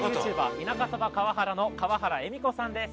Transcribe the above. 田舎そば川原の川原恵美子さんです。